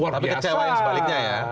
tapi kecewa yang sebaliknya ya